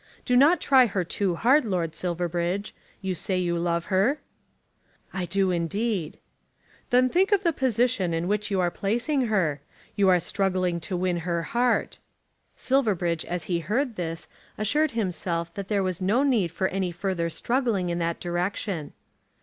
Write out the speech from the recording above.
Do not try her too hard, Lord Silverbridge. You say you love her." "I do, indeed." "Then think of the position in which you are placing her. You are struggling to win her heart." Silverbridge as he heard this assured himself that there was no need for any further struggling in that direction.